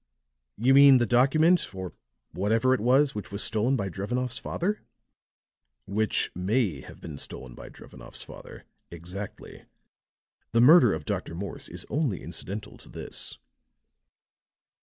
"You mean the document, or whatever it was, which was stolen by Drevenoff's father?" "Which may have been stolen by Drevenoff's father. Exactly. The murder of Dr. Morse is only incidental to this."